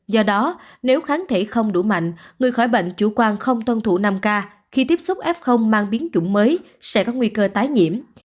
do đó nếu kháng thể không đủ mạnh người khỏi bệnh chủ quan không tuân thủ năm k khi tiếp xúc f mang biến chủng mới sẽ có nguy cơ tái nhiễm